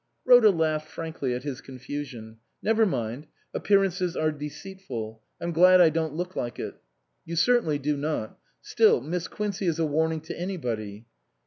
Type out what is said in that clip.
Rhoda laughed frankly at his confusion. "Never mind. Appearances are deceitful. I'm glad I don't look like it." " You certainly do not. Still, Miss Quincey is a warning to anybody."